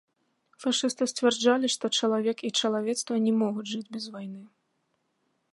Фашысты сцвярджалі, што чалавек і чалавецтва не могуць жыць без вайны.